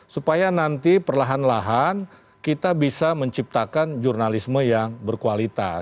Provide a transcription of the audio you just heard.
supaya nanti perlahan lahan kita bisa menciptakan jurnalisme yang berkualitas